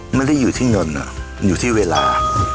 ไม่ได้อยู่ที่เงินอยู่ที่เวลา